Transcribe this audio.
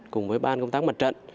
cùng với ban công tác mặt trận